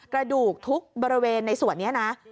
กระดูกทุกบริเวณในส่วนนี้นะ